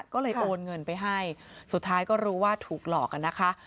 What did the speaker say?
ก็เลยโอนเงินไปให้สุดท้ายก็รู้ว่าถูกหลอกกันนะคะ